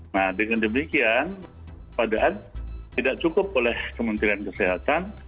nah dengan demikian padahal tidak cukup oleh kementerian kesehatan